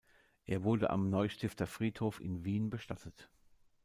Er wurde am Neustifter Friedhof in Wien bestattet.